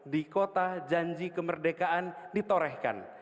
di kota janji kemerdekaan ditorehkan